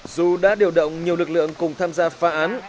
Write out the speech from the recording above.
dù đã điều động nhiều lực lượng cùng tham gia phá án